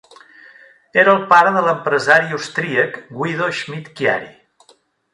Era el pare de l'empresari austríac Guido Schmidt-Chiari.